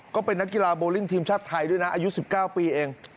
ก็เป็นนักกีฬาโบลิ่งทีมชาติไทยด้วยนะอายุ๑๙ปีเอง